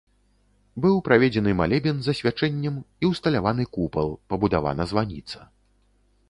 Быў праведзены малебен з асвячэннем і ўсталяваны купал, пабудавана званіца.